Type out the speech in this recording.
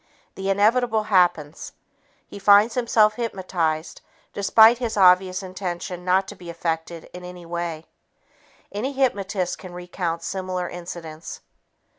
The inevitable happens. He finds himself hypnotized despite his obvious intention not to be affected in any way. Any hypnotist can recount similar incidents.